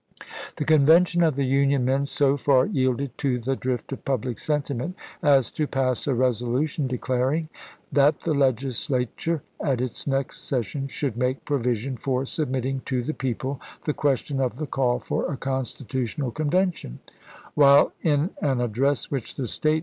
The convention of the Union Men so far yielded to the drift of public sentiment as to pass a resolu tion declaring " that the Legislature at its next ses sion should make provision for submitting to the people the question of the call for a Constitutional Am1;ri™n!" Convention "; while, in an address which the State wes.